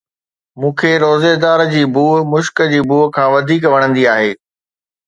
مون کي روزيدار جي بوءِ مشڪ جي بوءَ کان وڌيڪ وڻندي آهي